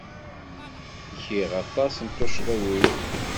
Giɣ aṭas n tuccḍiwin.